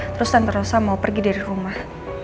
terus tanpa rosa mau pergi dari rumah